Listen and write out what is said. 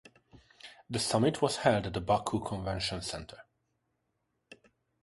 The summit was held at the Baku Convention Center.